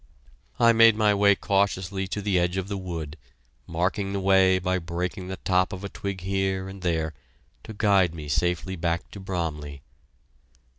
I made my way cautiously to the edge of the wood, marking the way by breaking the top of a twig here and there, to guide me safely back to Bromley.